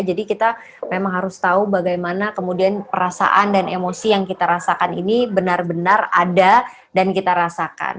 jadi kita memang harus tahu bagaimana kemudian perasaan dan emosi yang kita rasakan ini benar benar ada dan kita rasakan